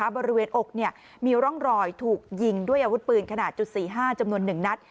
บริเวณอกมีร่องรอยถูกยิงด้วยอาวุธปืนขนาด๔๕จำนวน๑นัด